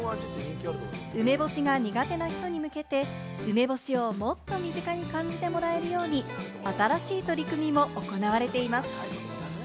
梅干しが苦手な人に向けて梅干しをもっと身近に感じてもらえるように、新しい取り組みも行われています。